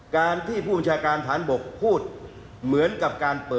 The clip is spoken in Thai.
ครับ